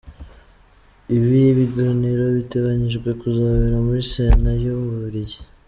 Ibi biganiro biteganyijwe kuzabera muri Sena y’u Bubiligi.